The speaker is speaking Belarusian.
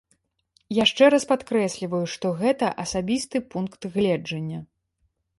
Яшчэ раз падкрэсліваю, што гэта мой асабісты пункт гледжання.